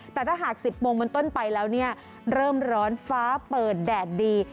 แต่ถ้าหาก๑๐โมงบนต้นไปแล้วเนี่ยเริ่มร้อนฟ้าเปิดแดดดี